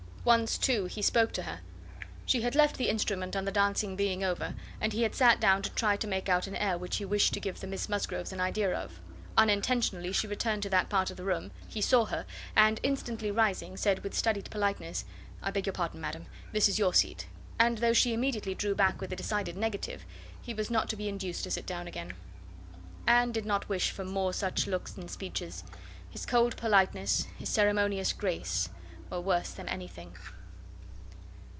Once, too, he spoke to her. She had left the instrument on the dancing being over, and he had sat down to try to make out an air which he wished to give the Miss Musgroves an idea of. Unintentionally she returned to that part of the room; he saw her, and, instantly rising, said, with studied politeness— "I beg your pardon, madam, this is your seat;" and though she immediately drew back with a decided negative, he was not to be induced to sit down again. Anne did not wish for more of such looks and speeches. His cold politeness, his ceremonious grace, were worse than anything.